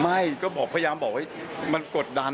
ไม่ก็พยายามบอกว่ามันกดดัน